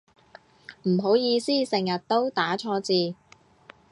唔好意思成日都打錯字